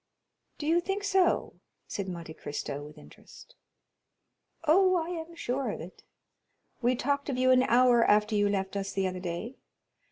30111m "Do you think so?" said Monte Cristo, with interest. "Oh, I am sure of it; we talked of you an hour after you left us the other day.